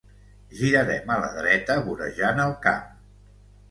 girarem a la dreta vorejant el camp